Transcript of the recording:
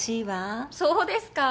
そうですか？